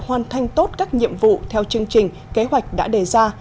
hoàn thành tốt các nhiệm vụ theo chương trình kế hoạch đã đề ra